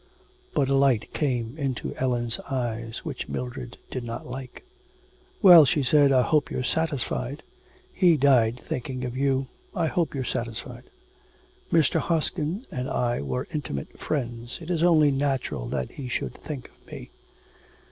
But a light came into Ellen's eyes, which Mildred did not like. 'Well,' she said, 'I hope you're satisfied. He died thinking of you. I hope you're satisfied.' 'Mr. Hoskin and I were intimate friends. It is only natural that he should think of me.'